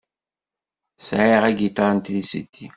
Sεiɣ agiṭar n trisiti.